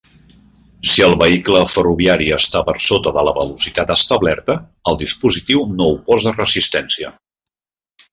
Si el vehicle ferroviari està per sota de la velocitat establerta, el dispositiu no oposa resistència.